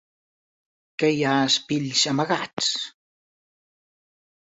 Que hi ha espills amagats?